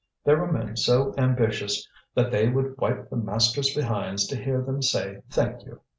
There were men so ambitious that they would wipe the masters' behinds to hear them say thank you.